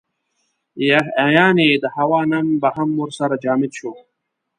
یعنې د هوا نم به هم ورسره جامد شو.